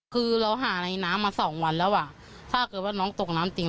คือเราหาในน้ำมาสองวันแล้วอ่ะถ้าเกิดว่าน้องตกน้ำจริง